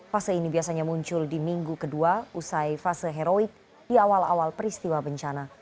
fase ini biasanya muncul di minggu kedua usai fase heroik di awal awal peristiwa bencana